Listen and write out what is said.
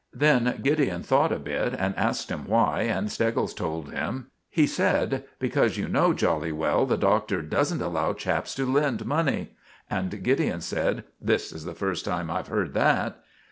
Then Gideon thought a bit, and asked him why, and Steggles told him. He said: "Because you know jolly well the Doctor doesn't allow chaps to lend money." And Gideon said: "This is the first time I've heard that."